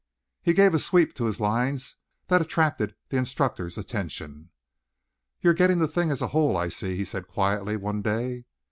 He gave a sweep to his lines that attracted the instructor's attention. "You're getting the thing as a whole, I see," he said quietly, one day.